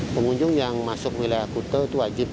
pengunjung yang masuk wilayah kute itu wajib